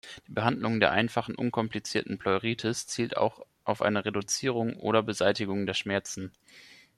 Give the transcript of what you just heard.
Die Behandlung der einfachen unkomplizierten Pleuritis zielt auf eine Reduzierung oder Beseitigung der Schmerzen.